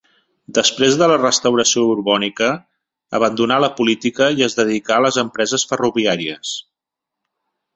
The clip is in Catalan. Després de la restauració borbònica abandonà la política i es dedicà a les empreses ferroviàries.